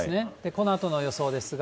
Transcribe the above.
このあとの予想ですが。